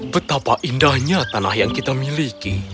betapa indahnya tanah yang kita miliki